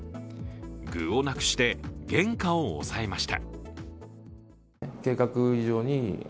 具をなくして、原価を抑えました。